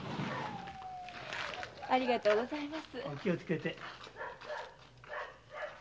ありがとうございます。